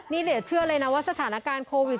นี่เดี๋ยวเชื่อเลยนะว่าสถานการณ์โควิด